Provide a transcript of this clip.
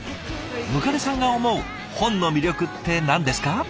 百足さんが思う本の魅力って何ですか？